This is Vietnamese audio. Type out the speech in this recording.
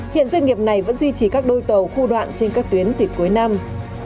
hiện doanh nghiệp này vẫn duy trì các đôi tàu khu đoạn trên các tuyến dịp cuối năm